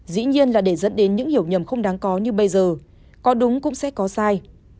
dĩ nhiên là để dẫn đến những hiểu nhầm không đáng có như bây giờ có đúng cũng sẽ có sai